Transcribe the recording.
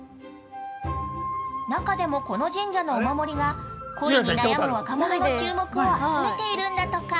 中でも、この神社のお守りが恋に悩む若者の注目を集めているんだとか。